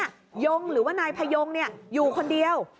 ยงหรือว่านายพยงอยู่คนเดียว